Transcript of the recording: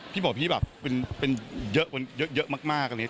พี่บอกพี่แบบเป็นเยอะมาก